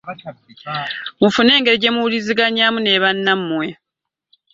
Mufune engeri gye muwuliziganya ne bannammwe.